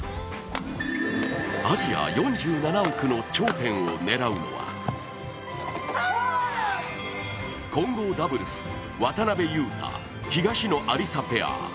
アジア４７億の頂点を狙うのは混合ダブルス渡辺勇大・東野有紗ペア。